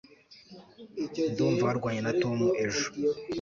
ndumva warwanye na tom ejo